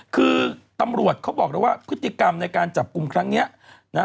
คือตำรวจเขาบอกเลยว่าพฤติกรรมในการจับกลุ่มครั้งนี้นะ